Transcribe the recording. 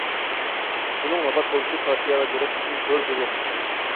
ئۇنىڭ ۋاپات بولۇشى پارتىيە ۋە دۆلەت ئۈچۈن زور بىر يوقىتىشتۇر.